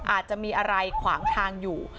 อาจจะมีอะไรขวางทางอยู่